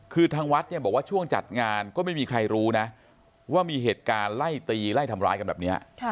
คือทางวัดเนี่ยบอกว่าช่วงจัดงานก็ไม่มีใครรู้นะว่ามีเหตุการณ์ไล่ตีไล่ทำร้ายกันแบบนี้